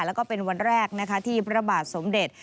แล้วก็เป็นวันแรกนะคะที่พระบาทสมเด็จ